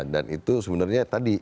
dan itu sebenarnya tadi